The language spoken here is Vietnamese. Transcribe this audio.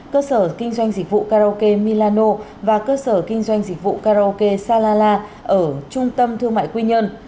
cơ sở kinh doanh dịch vụ karaoke milano và cơ sở kinh doanh dịch vụ karaoke salala ở trung tâm thương mại quy nhơn